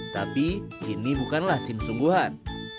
tapi ini bukanlah sim sungguhan